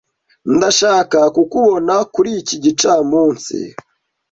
Ndashaka kukubona kuri iki gicamunsi.